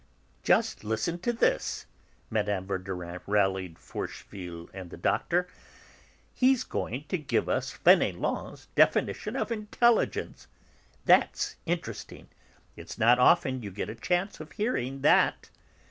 "Just listen to this!" Mme. Verdurin rallied Forcheville and the Doctor. "He's going to give us Fénelon's definition of intelligence. That's interesting. It's not often you get a chance of hearing that!"